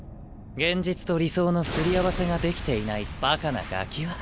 現実と理想のすり合わせができていないバカなガキは。